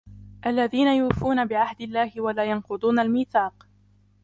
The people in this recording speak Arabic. الذين يوفون بعهد الله ولا ينقضون الميثاق